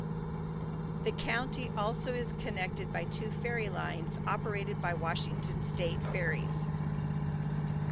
The county also is connected by two ferry lines operated by Washington State Ferries.